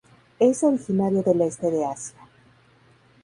Es originario del este de Asia.